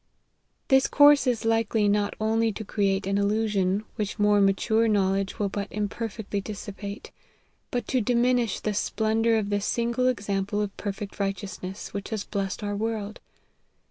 This course is likely not only to create an illusion which more mature knowledge will but imperfectly dissi pate, but to diminish the splendor of the single example of perfect righteousness which has blessed our world.